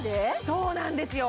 そうなんですよ